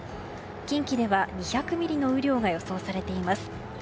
近畿では２００ミリの雨量が予想されています。